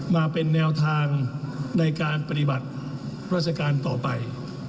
มาเป็นแนวทางในการปฏิบัติราชการต่อไป